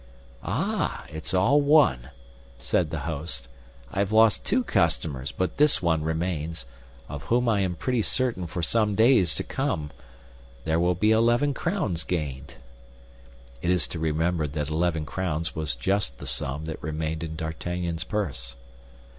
"Ah, it's all one," said the host; "I have lost two customers, but this one remains, of whom I am pretty certain for some days to come. There will be eleven crowns gained." It is to be remembered that eleven crowns was just the sum that remained in D'Artagnan's purse.